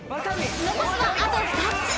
［残すはあと２つ］